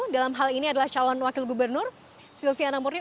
dalam hal ini adalah calon wakil gubernur silviana murni